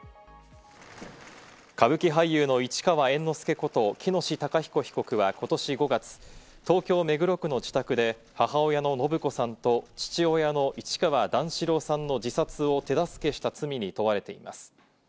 歌舞伎俳優の市川猿之助こと喜熨斗孝彦被告はことし５月、東京・目黒区の自宅で母親の延子さんと父親の市川段四郎さんの自殺を手助けした罪に問われています。